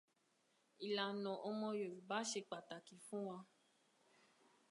Ìlànà Ọmọ Yorùbá ṣe pàtàkì fún wa.